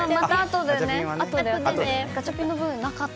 ガチャピンの分はなかった。